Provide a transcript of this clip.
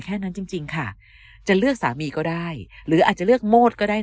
แค่นั้นจริงค่ะจะเลือกสามีก็ได้หรืออาจจะเลือกโมดก็ได้